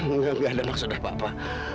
enggak ada maksud apa apa